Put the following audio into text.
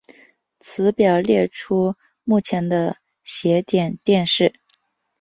此表列出目前的邪典电影。